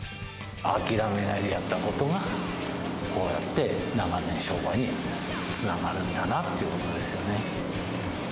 諦めないでやったことが、こうやって長年の商売につながるんだなっていうことですよね。